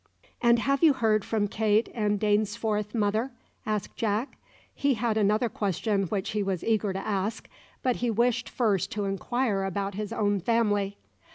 "And have you heard from Kate and Dainsforth, mother?" asked Jack. He had another question which he was eager to ask, but he wished first to inquire about his own family.